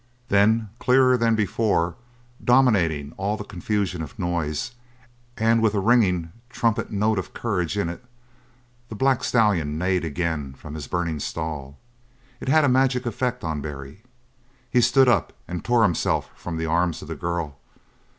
Then, clearer than before, dominating all the confusion of noise, and with a ringing, trumpet note of courage in it, the black stallion neighed again from his burning stall. It had a magic effect upon Barry. He stood up and tore himself from the arms of the girl.